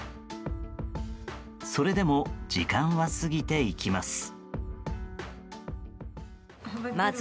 それでも時間は過ぎていきます。